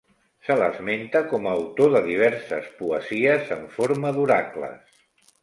Se l'esmenta com a autor de diverses poesies en forma d'oracles.